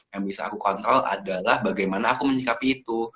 yang bisa aku kontrol adalah bagaimana aku menyikapi itu